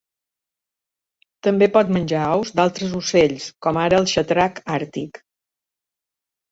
També pot menjar ous d'altres ocells, com ara el xatrac àrtic.